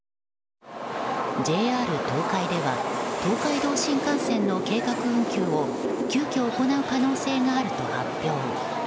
ＪＲ東海では東海道新幹線の計画運休を急きょ行う可能性があると発表。